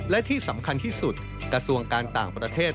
และที่สำคัญที่สุดกระทรวงการต่างประเทศ